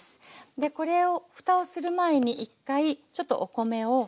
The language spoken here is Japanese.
これをふたをする前に一回ちょっとお米をほぐします。